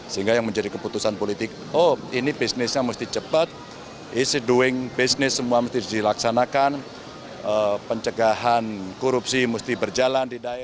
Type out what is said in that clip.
sehingga yang menjadi keputusan politik oh ini bisnisnya mesti cepat easy doing bisnis semua mesti dilaksanakan pencegahan korupsi mesti berjalan di daerah